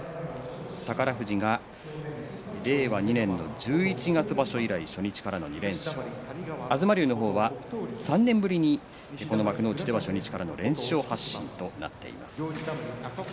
宝富士は令和２年の十一月場所以来、初日からの２連勝、東龍の方は３年ぶりにこの幕内では初日からの連勝発進となっています。